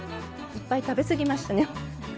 いっぱい食べすぎましたね。